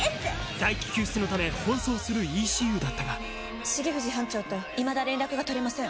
大樹救出のため奔走するＥＣＵだったが重藤班長といまだ連絡が取れません。